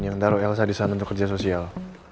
yang taruh elsa di sana untuk kerja sosial